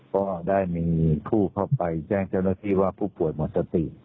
ก็ได้มีผู้เข้าไปแจ้งเจ้าหน้าที่ว่าผู้ป่วยหมดสติ